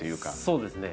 そうですね。